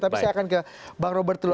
tapi saya akan ke bang robert dulu